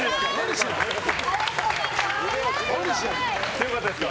強かったですか？